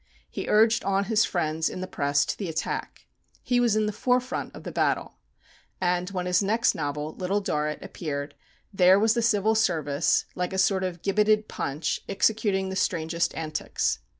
He urged on his friends in the press to the attack. He was in the forefront of the battle. And when his next novel, "Little Dorrit," appeared, there was the Civil Service, like a sort of gibbeted Punch, executing the strangest antics.